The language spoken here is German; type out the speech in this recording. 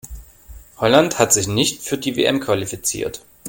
Holland hat sich nicht für die WM qualifiziert.